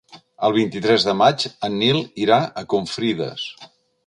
El vint-i-tres de maig en Nil irà a Confrides.